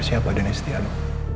siapa denny setiano